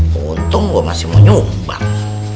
keuntungan gue masih mau nyumbang